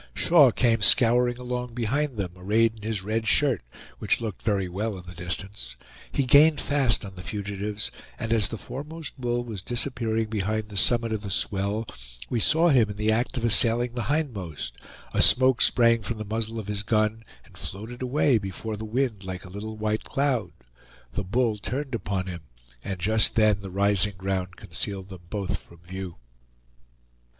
Shaw came scouring along behind them, arrayed in his red shirt, which looked very well in the distance; he gained fast on the fugitives, and as the foremost bull was disappearing behind the summit of the swell, we saw him in the act of assailing the hindmost; a smoke sprang from the muzzle of his gun, and floated away before the wind like a little white cloud; the bull turned upon him, and just then the rising ground concealed them both from view.